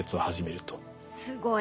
すごい。